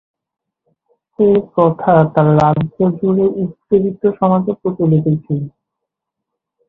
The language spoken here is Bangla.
এ প্রথা তাঁর রাজ্য জুড়ে উঁচ্চবিত্ত সমাজে প্রচলিত ছিল।